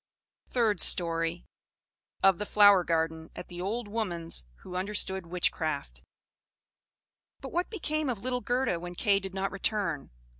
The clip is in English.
THIRD STORY. Of the Flower Garden At the Old Woman's Who Understood Witchcraft But what became of little Gerda when Kay did not return?